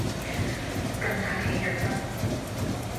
咁客氣做乜